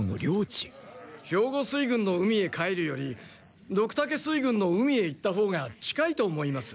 兵庫水軍の海へ帰るよりドクタケ水軍の海へ行ったほうが近いと思います。